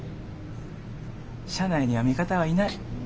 社内には味方はいない。